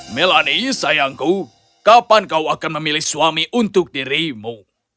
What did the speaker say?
melani sayangku kapan kau akan memilih suami untuk dirimu